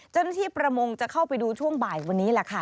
เจ้าหน้าที่ประมงจะเข้าไปดูช่วงบ่ายวันนี้แหละค่ะ